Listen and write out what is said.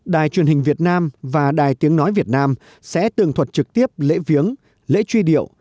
đài truyền hình việt nam và đài tiếng nói việt nam sẽ tường thuật trực tiếp lễ viếng lễ truy điệu